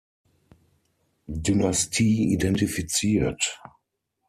Dynastie identifiziert.